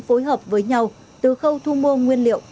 phối hợp với nhau từ khâu thu mua nguyên liệu